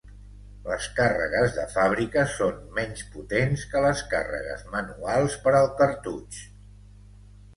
Les càrregues de fàbrica són menys potents que les càrregues manuals per al cartutx.